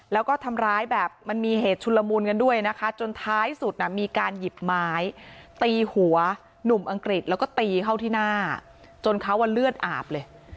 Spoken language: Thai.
แล้วก็ทำร้ายแบบมันมีเหตุชุนละมุนกันด้วยนะคะจนท้ายสุดมีการหยิบไม้ตีหัวหนุ่มอังกฤษแล้วก็ตีเข้าที่หน้าจนเขาเลือดอาบเลย